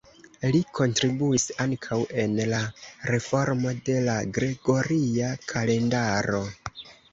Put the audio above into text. Li kontribuis ankaŭ en la reformo de la Gregoria kalendaro.